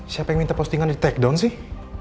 siapa yang minta postingan di takedown sih